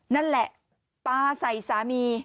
นั่นแหละปลาใส่สามี